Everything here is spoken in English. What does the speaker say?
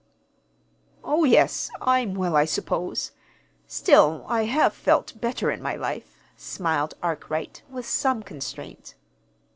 "Oh, yes, I'm well, I suppose. Still, I have felt better in my life," smiled Arkwright, with some constraint.